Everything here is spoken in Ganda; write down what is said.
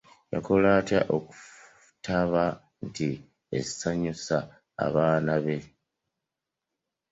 Yakola atya okulaba nti asanyusa abaana be.